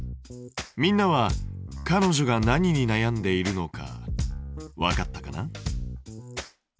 みんなはかのじょが何になやんでいるのかわかったかな？